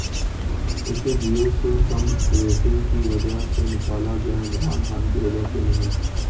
اسے جیو سے کم ریٹننگ کی وجہ سے نکالا گیا، عمران خان کی وجہ سے نہیں